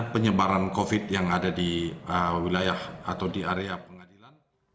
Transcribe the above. penyebaran covid yang ada di wilayah atau di area pengadilan